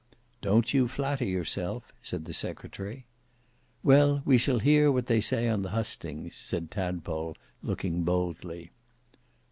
"Don't you flatter yourself," said the secretary. "Well, we shall hear what they say on the hustings," said Tadpole looking boldly.